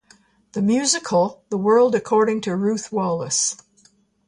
The Musical: The World According to Ruth Wallis.